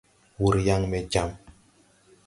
Wùr yaŋ ɓɛ jam.